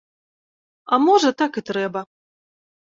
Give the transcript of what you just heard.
А можа, так і трэба.